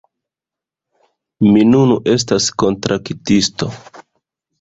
Mi nun estas kontraktisto